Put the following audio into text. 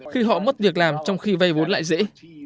khi họ mất việc làm trong khi vay vốn lại dễ